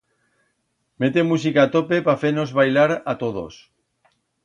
Mete musica a tope pa fer-nos bailar a todos.